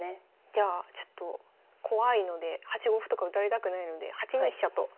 じゃあちょっと怖いので８五歩とか打たれたくないので８二飛車と。